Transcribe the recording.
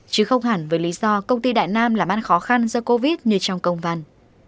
chứ không hẳn với lý do công ty đại nam làm ăn khó khăn do covid như trong công văn